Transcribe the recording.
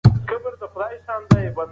مصنوعي ځیرکتیا وسایل به لا ښه شي.